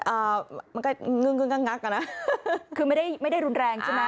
อ่ามันก็เงินเงินงักอ่ะน่ะคือไม่ได้รุนแรงใช่มั้ย